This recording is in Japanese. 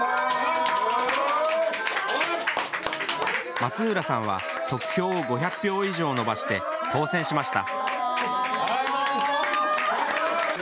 松浦さんは得票を５００票以上伸ばして当選しました。